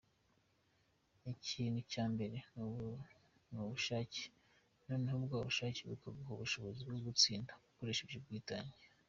Ikintu cya mbere ni ubushake , noneho bwa bushake bukaguha ubushobozi bwo gutsinda , ukoresheje ubwitange.